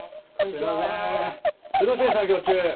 すいません作業中